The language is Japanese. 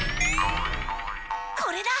これだ！